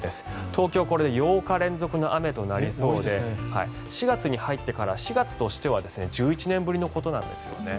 東京、これで８日連続の雨となりそうで４月に入ってから４月としては１１年ぶりのことなんですよね。